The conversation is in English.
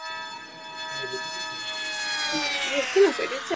He laid the foundation for many reforms that modelled after the Chinese social structure.